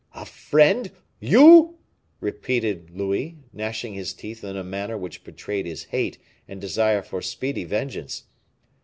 "A friend you!" repeated Louis, gnashing his teeth in a manner which betrayed his hate and desire for speedy vengeance.